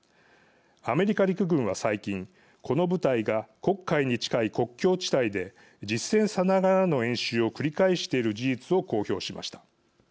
アメリカ陸軍は最近この部隊が黒海に近い国境地帯で実戦さながらの演習を繰り返している事実を公表しました。